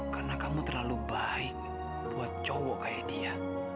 karena kamu terlalu baik buat cowok kayak dia